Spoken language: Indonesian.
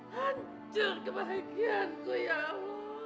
hancur kebahagiaanku ya allah